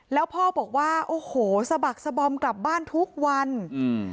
แล้วพ่อบอกว่าโอ้โหสะบักสบอมกลับบ้านทุกวันอืม